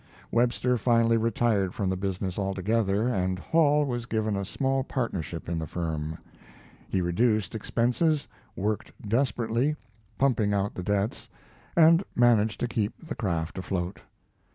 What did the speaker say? Webster finally retired from the business altogether, and Hall was given a small partnership in the firm. He reduced expenses, worked desperately, pumping out the debts, and managed to keep the craft afloat.